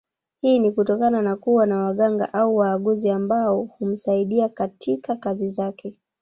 Hii ni kutokana na kuwa na waganga au waaguzi ambao humsaidia katika kazi zake